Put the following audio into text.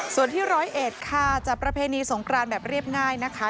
ส่วนที่ร้อยเอ็ดค่ะจัดประเพณีสงครานแบบเรียบง่ายนะคะ